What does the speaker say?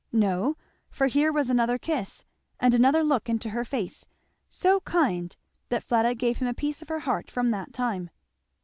No, for here was another kiss, and another look into her face, so kind that Fleda gave him a piece of her heart from that time.